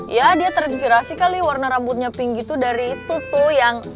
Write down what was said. ya dia terinspirasi kali warna rambutnya pink gitu dari itu tuh yang